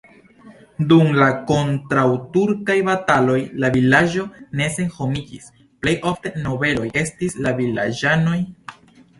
Dum la kontraŭturkaj bataloj la vilaĝo ne senhomiĝis, plej ofte nobeloj estis la vilaĝanoj.